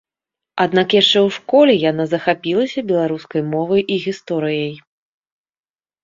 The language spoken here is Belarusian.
Аднак яшчэ ў школе яна захапілася беларускай мовай і гісторыяй.